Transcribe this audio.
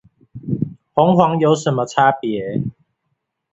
紅黃有什麼差別？